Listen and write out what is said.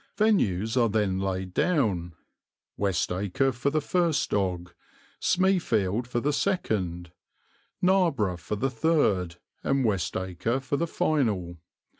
Venues are then laid down, Westacre for the first dog, Smeefield for the second, Narborough for the third, and Westacre for the final.